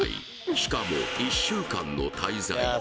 しかも１週間の滞在